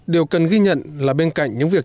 điều cần ghi nhận là bên cạnh những việc